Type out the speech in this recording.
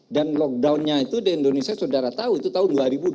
dan lockdownnya itu di indonesia saudara tahu itu tahun dua ribu dua puluh